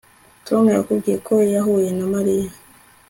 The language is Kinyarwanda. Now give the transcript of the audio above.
Tom yakubwiye uko yahuye na Mariya